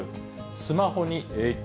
スマホに影響。